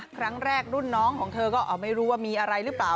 ครั้งแรกรุ่นน้องของเธอก็ไม่รู้ว่ามีอะไรหรือเปล่า